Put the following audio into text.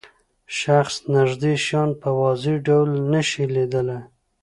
شخص نږدې شیان په واضح ډول نشي لیدلای.